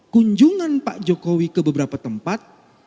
kunjungan pak jokowi ke beberapa tempat